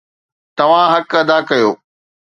توهان حق ادا ڪيو